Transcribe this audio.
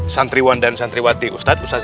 santriwan dan santriwati ustadz